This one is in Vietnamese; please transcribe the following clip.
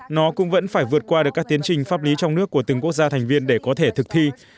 nó cũng vẫn phải vượt qua được các tiến trình pháp lý trong nước của từng quốc gia thành viên để có thể thực thi